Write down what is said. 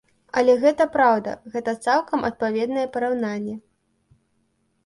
Але гэта праўда, гэта цалкам адпаведнае параўнанне.